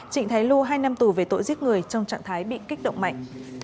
trịnh thái lu hai năm tù về tội giết người trong trạng thái bị kích động mạnh